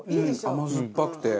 甘酸っぱくて。